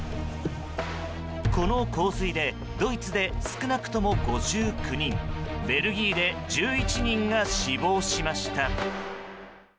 この洪水でドイツで少なくとも５９人ベルギーで１１人が死亡しました。